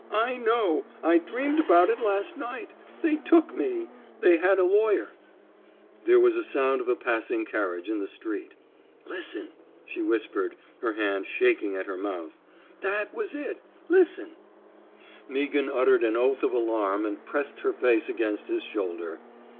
*' I know! I dreamed about it last night. They took me. They had a lawyer —" There was a sound of a pass ing carriage in the street. '* Listen," she whispered, her hand shaking at her mouth. That was it! Listen!" 294 NOT FOR PUBLICATION Meaghan uttered an oath of alarm and pressed her face against his shoulder.